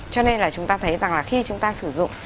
cho nên là chúng ta thấy rằng là khi chúng ta sử dụng